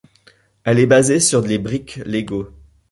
Il est basé sur les briques Lego.